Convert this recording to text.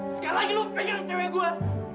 sekali lagi lu pegang cewek gua